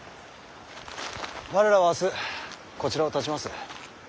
我らは明日こちらをたちます。